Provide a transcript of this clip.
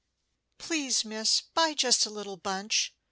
"Please, miss, buy just a little bunch."